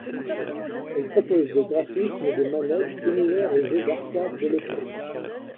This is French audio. Elle propose des graphismes et des manettes similaires aux jeux d'arcade de l'époque.